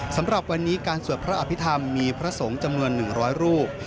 สำหรับวันนี้การสวดพระอภิษฐรรมมีพระสงฆ์จำนวน๑๐๐รูป